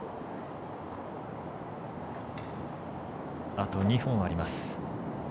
あと２本あります。